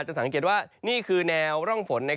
จะสังเกตว่านี่คือแนวร่องฝน